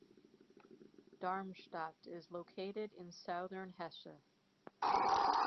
Darmstadt is located in southern Hesse.